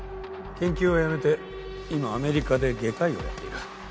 研究はやめて今アメリカで外科医をやっている。